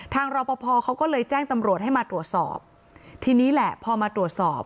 รอปภเขาก็เลยแจ้งตำรวจให้มาตรวจสอบทีนี้แหละพอมาตรวจสอบ